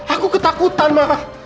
aku ketakutan ma